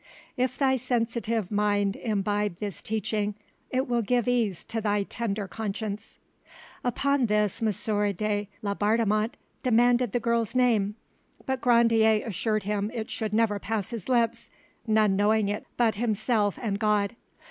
[If thy sensitive mind imbibe this teaching, It will give ease to thy tender conscience] Upon this, M. de Laubardemont demanded the girl's name; but Grandier assured him it should never pass his lips, none knowing it but himself and God.